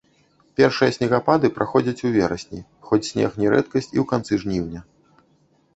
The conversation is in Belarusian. Першыя снегапады праходзяць у верасні, хоць снег не рэдкасць і ў канцы жніўня.